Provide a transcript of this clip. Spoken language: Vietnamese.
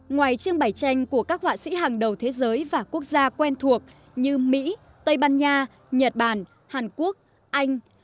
ngoài trưng bày tranh của các họa sĩ hàng đầu thế giới và quốc gia quen thuộc như mỹ tây ban nha nhật bản hàn quốc anh